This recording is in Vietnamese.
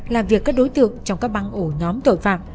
là việc các đối tượng trong các băng ổ nhóm tội phạm